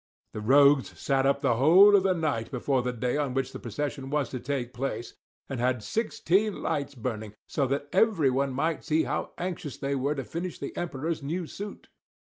The rogues sat up the whole of the night before the day on which the procession was to take place, and had sixteen lights burning, so that everyone might see how anxious they were to finish the Emperor's new suit.